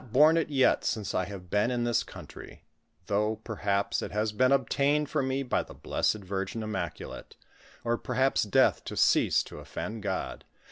borne it yet since I have been in this country, though, per haps, it has been obtained for me by the Blessed Virgin Im maculate), or perhaps death to cease to offend God.